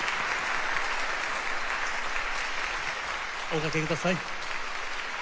おかけください。